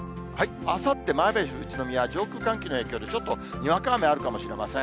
あさってまで宇都宮、上空寒気の影響で、ちょっとにわか雨あるかもしれません。